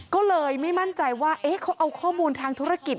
ก็เลยไม่มั่นใจว่าเขาเอาข้อมูลทางธุรกิจ